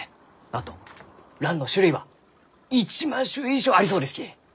あとランの種類は１万種以上ありそうですき！